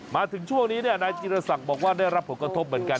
มาถึงช่วงนี้นายจีรศักดิ์บอกว่าได้รับผลกระทบเหมือนกัน